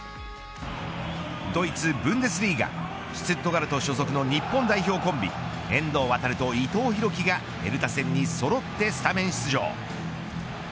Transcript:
ドイツ、ブンデスリーガシュツットガルト所属の日本代表コンビ遠藤航と伊藤洋輝がヘルタ戦にそろってスタメン出場。